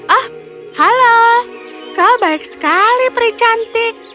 oh halo kau baik sekali pria cantik